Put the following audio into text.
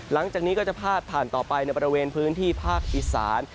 หลังจากนี้ก็จะพาดผ่านต่อไปในบริเวณพื้นที่ภาคอีสาน